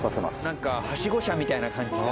なんかはしご車みたいな感じだ。